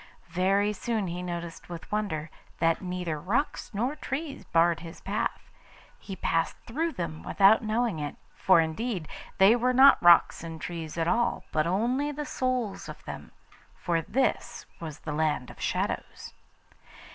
Very soon he noticed with wonder, that neither rocks nor trees barred his path. He passed through them without knowing it, for indeed, they were not rocks and trees at all, but only the souls of them; for this was the Land of Shadows.